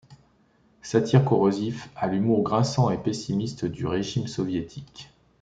Satire corrosive, à l’humour grinçant et pessimiste, du régime soviétique.